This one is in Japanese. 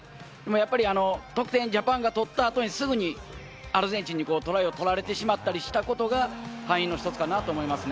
やっぱり得点、ジャパンが取ったあとに、すぐにアルゼンチンにトライを取られてしまったりしたことが、敗因の一つかなと思います